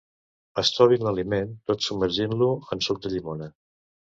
Estovin l'aliment tot submergint-lo en suc de llimona.